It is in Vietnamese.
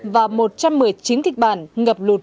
và một trăm một mươi chín kịch bản ngập lụt